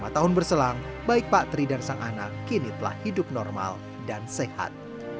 lima tahun berselang baik pak tri dan sang anak kini telah hidup normal dan sehat